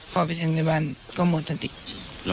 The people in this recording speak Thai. แล้วบาดแผล